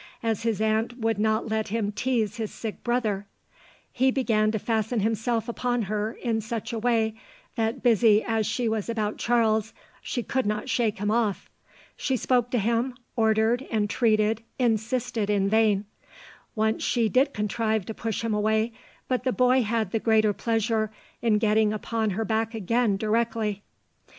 as his aunt would not let him tease his sick brother, [he] began to fasten himself upon her, in such a way, that busy as she was about Charles, she could not shake him off. She spoke to him, ordered, entreated, insisted in vain. Once she did contrive to push him away, but the boy had the greater pleasure in getting upon her back again directly."